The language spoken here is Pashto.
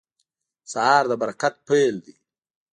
سهار د برکت پیل دی.